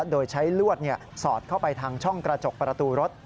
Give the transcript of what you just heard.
โดยใช้ลวดสอดเข้าไปทางช่องกระจกประตูรถ